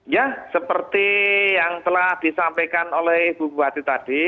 ya seperti yang telah disampaikan oleh buku bati tadi